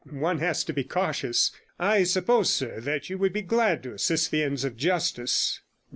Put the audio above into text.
One has to be cautious. I suppose, sir, that you would be glad to assist the ends of justice.'